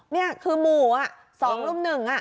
เนี่ยคือหมู่อ่ะ